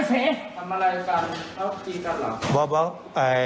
ทำอะไรกันเอาจริงกันเหรอ